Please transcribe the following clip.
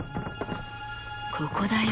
・ここだよ。